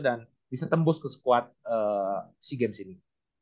dan bisa tembus ke squad si games ini